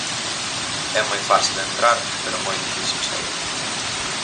É moi fácil entrar pero moi difícil saír.